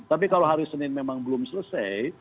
tapi kalau hari senin memang belum selesai